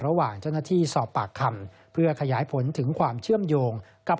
ระหว่างเจ้าหน้าที่สอบปากคำเพื่อขยายผลถึงความเชื่อมโยงกับ